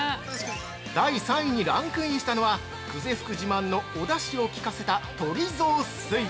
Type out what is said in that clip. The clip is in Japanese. ◆第３位にランクインしたのは久世福自慢のおだしを効かせた鶏雑炊。